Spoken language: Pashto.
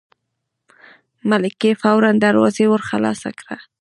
ملکې فوراً دروازه ور خلاصه کړه.